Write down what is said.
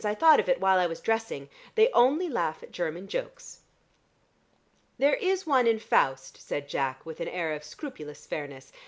I thought of it while I was dressing. They only laugh at German jokes." "There is one in Faust," said Jack with an air of scrupulous fairness.